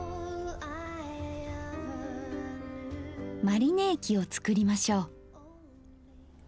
マリネ液を作りましょう。